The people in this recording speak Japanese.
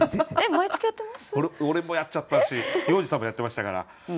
俺もやっちゃったし要次さんもやってましたから。